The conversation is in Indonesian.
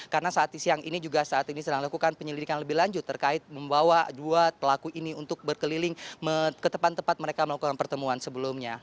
karena saat siang ini juga saat ini sedang lakukan penyelidikan lebih lanjut terkait membawa dua pelaku ini untuk berkeliling ke tempat tempat mereka melakukan pertemuan sebelumnya